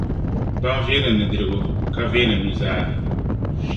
Baŋa veeni nudirigu ka veeni nuzaa.